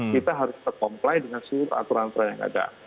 kita harus terkomplai dengan semua peraturan peraturan yang ada